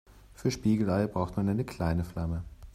Für Spiegelei braucht man eine kleine Flamme.